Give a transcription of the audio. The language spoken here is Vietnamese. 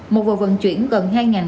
một vụ vận chuyển gần hai bảy trăm linh